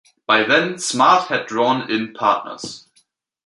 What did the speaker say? By then, Smart had drawn in partners.